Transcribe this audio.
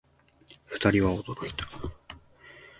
二人は驚いた